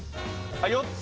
４つ？